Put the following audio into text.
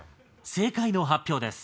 正解の発表です。